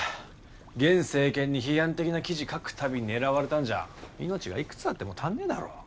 現政権に批判的な記事書く度に狙われたんじゃ命がいくつあっても足んねえだろ。